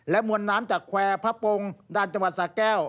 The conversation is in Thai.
มวลน้ำจากแควร์พระปงด้านจังหวัดสาแก้ว